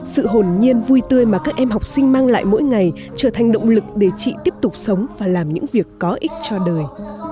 sự hồn nhiên vui tươi mà các em học sinh mang lại mỗi ngày trở thành động lực để chị tiếp tục sống và làm những việc có ích cho đời